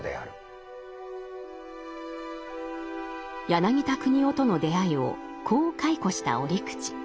柳田国男との出会いをこう回顧した折口。